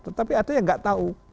tetapi ada yang nggak tahu